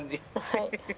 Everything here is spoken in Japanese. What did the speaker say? はい。